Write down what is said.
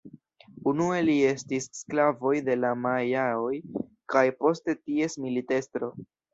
Unue li estis sklavoj de la majaoj kaj poste ties militestro.